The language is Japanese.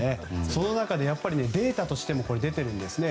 その中でやっぱりデータとしても出ているんですね。